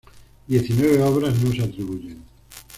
Diecinueve obras no se atribuyen.